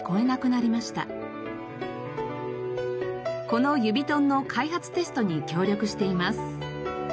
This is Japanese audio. このＵｂｉｔｏｎｅの開発テストに協力しています。